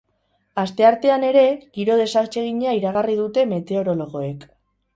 Asteartean ere, giro desatsegina iragarri dute meteorologoek.